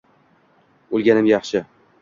O`lganim yaxshi